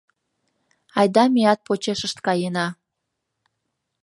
Айда меат почешышт каена.